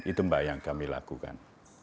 itu mbak yang kami lakukan